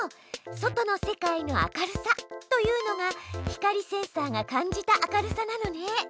「外の世界の明るさ」というのが光センサーが感じた明るさなのね。